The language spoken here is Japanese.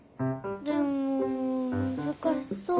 でもむずかしそう。